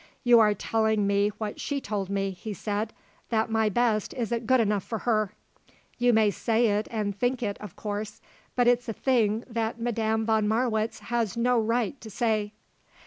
"You are telling me what she told me," he said; "that my best isn't good enough for her. You may say it and think it, of course; but it's a thing that Madame von Marwitz has no right to say."